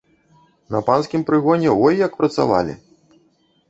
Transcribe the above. На панскім прыгоне, ой, як працавалі!